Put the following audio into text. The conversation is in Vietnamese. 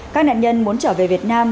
các nạn nhân muốn trở về việt nam